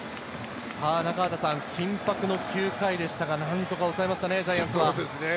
中畑さん、緊迫の９回でしたが、何とか抑えましたね、ジャイアンツ。